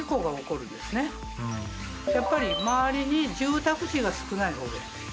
やっぱり周りに住宅地が少ないほうがいい。